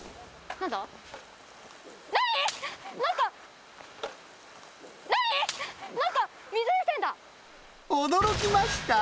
何っ⁉驚きました？